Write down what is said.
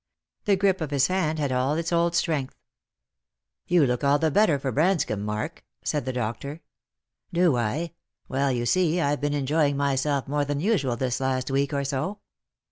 The grip of his hand had all its old strength. "You look all the better for Branscomb, Mark," said the doctor. " Do I ? Well, you see, I've been enjoying myself more than usual this last week or so."